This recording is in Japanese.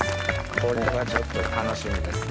これはちょっと楽しみですね。